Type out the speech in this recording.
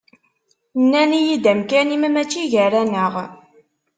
Nnan-iyi-d amkan-im mačči gar-aneɣ.